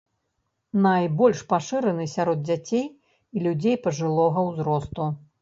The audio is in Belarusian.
Найбольш пашыраны сярод дзяцей і людзей пажылога ўзросту.